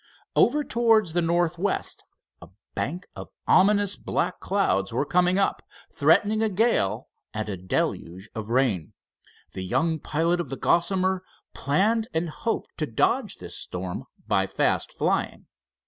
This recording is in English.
Over towards the northwest a bank of ominous black clouds were coming up, threatening a gale and a deluge of rain. The young pilot of the Gossamer planned and hoped to dodge this storm by fast flying.